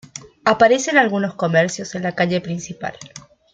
Aparecen algunos comercios en la calle principal.